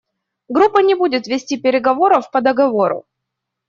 Группа не будет вести переговоров по договору.